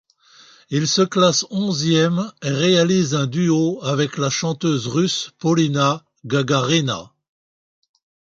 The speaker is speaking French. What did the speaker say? Il se classe onzième et réalise un duo avec la chanteuse russe Polina Gagarina.